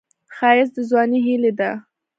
ښایست د ځوانۍ هیلې ده